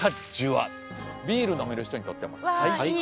ビール飲める人にとってはもう最高。